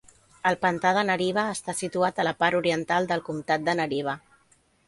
El pantà de Nariva està situat a la part oriental del comtat de Nariva.